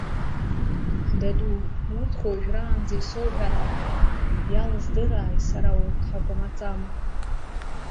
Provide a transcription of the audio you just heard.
Даду, урҭқәа уажәраанӡа исоуҳәар акәын, иалздырааи сара урҭ акәамаҵамақәа!